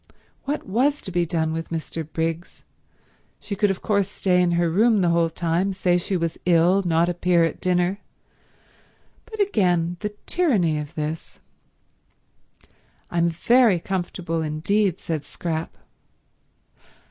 What was to be done with Mr. Briggs? She could of course stay in her room the whole time, say she was ill, not appear at dinner; but again, the tyranny of this ... "I'm very comfortable indeed," said Scrap.